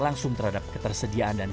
langsung terhadap ketersediaan dan